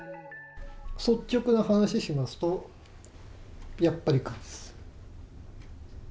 率直な話をしますと、やっぱりか。